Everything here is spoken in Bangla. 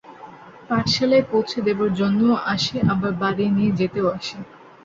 পাঠশালায় পৌঁছে দেবার জন্যও আসে, আবার বাড়ী নিয়ে যেতেও আসে।